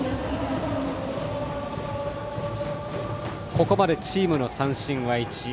ここまでチームの三振は１。